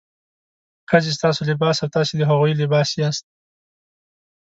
ښځې ستاسو لباس او تاسې د هغوی لباس یاست.